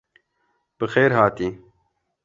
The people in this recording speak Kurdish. Bi xêr hatî.